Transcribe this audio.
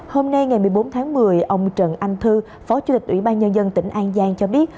hôm nay ngày một mươi bốn tháng một mươi ông trần anh thư phó chủ tịch ủy ban nhân dân tỉnh an giang cho biết